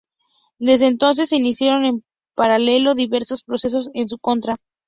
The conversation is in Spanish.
Desde entonces se iniciaron en paralelo diversos procesos en su contra.